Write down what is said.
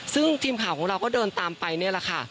ซึ่งทีมข่าวของเราก็เดินตามไปนี่แหละค่ะ